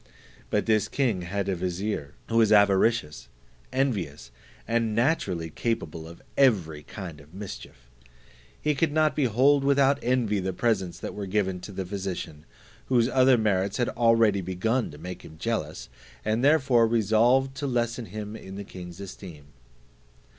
But this king had a vizier, who was avaricious, envious, and naturally capable of every kind of mischief. He could not behold without envy the presents that were given to the physician, whose other merits had already begun to make him jealous, and he therefore resolved to lessen him in the king's esteem.